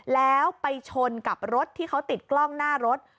แล้วไปชนกับรถที่เขาติดกล้องหน้ารถ